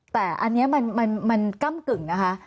แต่อันนี้มันก้ำกึ่งนะคะ